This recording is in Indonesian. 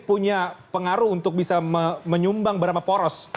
punya pengaruh untuk bisa menyumbang berapa poros